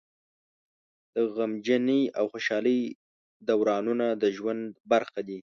د غمجنۍ او خوشحالۍ دورانونه د ژوند برخه دي.